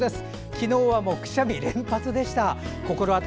昨日は、くしゃみ連発でした。